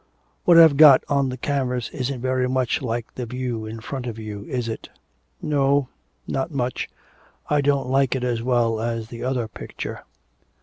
'What I've got on the canvas isn't very much like the view in front of you, is it?' 'No, not much, I don't like it as well as the other picture.'